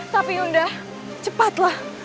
tapi yunda cepatlah